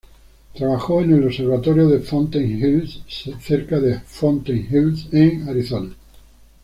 Trabajó en el "observatorio de Fountain Hills", cerca de Fountain Hills en Arizona.